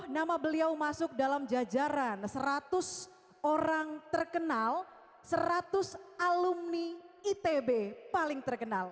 dua ribu dua puluh nama beliau masuk dalam jajaran seratus orang terkenal seratus alumni itb paling terkenal